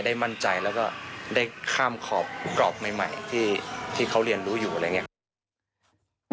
มั่นใจแล้วก็ได้ข้ามขอบกรอบใหม่ที่เขาเรียนรู้อยู่อะไรอย่างนี้ครับ